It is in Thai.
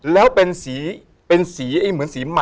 แล้วเป็นสีเป็นสีเหมือนสีใหม่